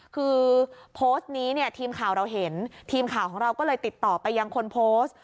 คือโพสต์นี้เนี่ยทีมข่าวเราเห็นทีมข่าวของเราก็เลยติดต่อไปยังคนโพสต์